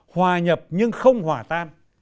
hòa nhập nhưng không hòa tan